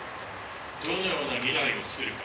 どのような未来をつくるか。